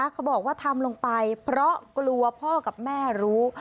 เขาบอกว่าทำลงไปเพราะกลัวพ่อกับแม่รู้